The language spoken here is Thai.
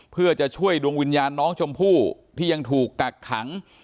เพื่อจะช่วยดวงวิญญาณน้องชมพู่ที่ยังถูกกักขัง